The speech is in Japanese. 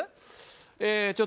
えちょっとね